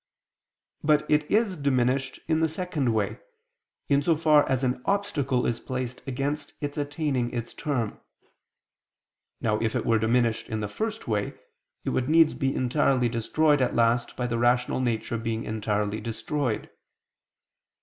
But it is diminished in the second way, in so far as an obstacle is placed against its attaining its term. Now if it were diminished in the first way, it would needs be entirely destroyed at last by the rational nature being entirely destroyed.